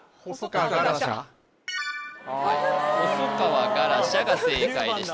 危ない細川ガラシャが正解でした